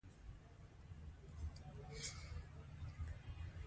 خو له بده مرغه، د کثافاتو بېځايه اچول